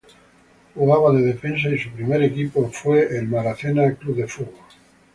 Jugaba de defensa y su primer equipo fue Queen's Park Football Club.